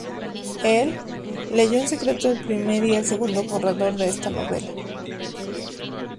Él, leyó en secreto el primer y el segundo borrador de esta novela.